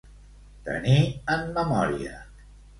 Tenir en memòria.